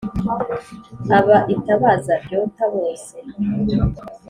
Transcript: aba itabaza ryota bose.